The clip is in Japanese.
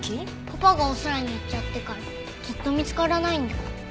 パパがお空に行っちゃってからずっと見つからないんだ。